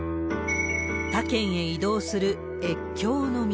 他県へ移動する越境飲み。